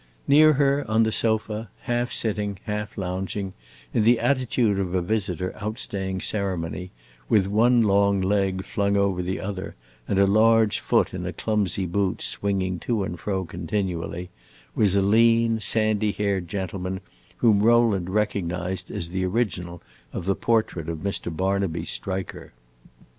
Near her, on the sofa, half sitting, half lounging, in the attitude of a visitor outstaying ceremony, with one long leg flung over the other and a large foot in a clumsy boot swinging to and fro continually, was a lean, sandy haired gentleman whom Rowland recognized as the original of the portrait of Mr. Barnaby Striker.